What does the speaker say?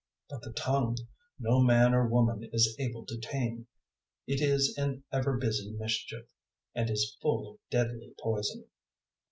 003:008 But the tongue no man or woman is able to tame. It is an ever busy mischief, and is full of deadly poison.